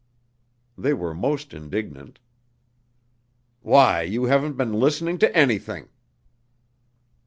They were most indignant. "Why, you haven't been listening to anything!"